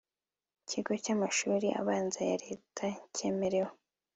kigo cy amashuri abanza ya leta kemerewe